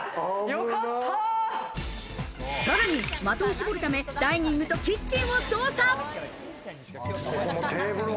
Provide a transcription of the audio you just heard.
さらに、的を絞るため、ダイニングとキッチンを捜査。